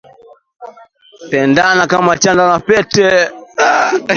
Pendana kama chanda na pete.